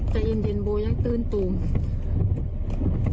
แต่เย็นเย็นโบยังตื้นตัว